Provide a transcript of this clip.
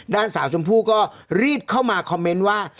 ด้านสาวชมพู่ก็รีบเข้ามาคอมเมนต์ว่า